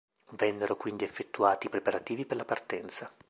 Vennero quindi effettuati i preparativi per la partenza.